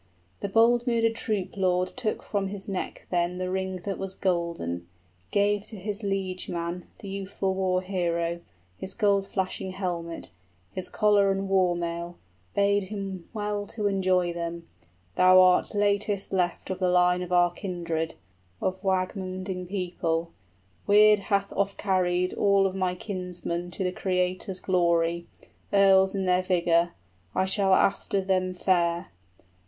{The hero's last gift} The bold mooded troop lord took from his neck then The ring that was golden, gave to his liegeman, The youthful war hero, his gold flashing helmet, His collar and war mail, bade him well to enjoy them: {and last words.} 60 "Thou art latest left of the line of our kindred, Of Wægmunding people: Weird hath offcarried All of my kinsmen to the Creator's glory, Earls in their vigor: I shall after them fare."